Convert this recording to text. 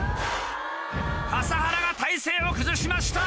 笠原が体勢を崩しました。